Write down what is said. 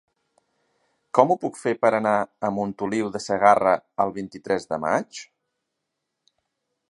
Com ho puc fer per anar a Montoliu de Segarra el vint-i-tres de maig?